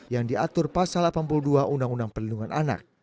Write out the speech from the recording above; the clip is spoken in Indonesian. yang diatur pasal delapan puluh dua undang undang perlindungan anak